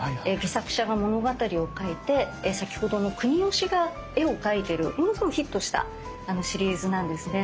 戯作者が物語を書いて先ほどの国芳が絵を描いてるものすごいヒットしたシリーズなんですね。